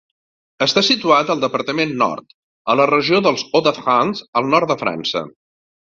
Està situat al departament nord, a la regió dels Hauts-de-France, al nord de França.